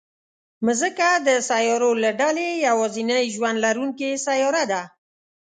مځکه د سیارو له ډلې یوازینۍ ژوند لرونکې سیاره ده.